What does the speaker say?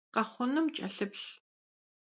Khexhunum ç'elhıplh.